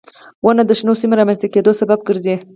• ونه د شنو سیمو رامنځته کېدو سبب ګرځي.